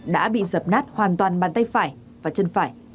đã bị dập nát hoàn toàn bàn tay phải và chân phải